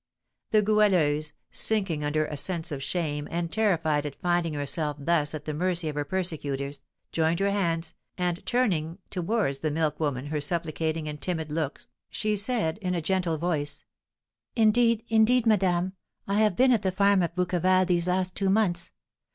The Goualeuse, sinking under a sense of shame, and terrified at finding herself thus at the mercy of her persecutors, joined her hands, and, turning towards the milk woman her supplicating and timid looks, she said, in a gentle voice: "Indeed, indeed, madam, I have been at the farm of Bouqueval these last two months.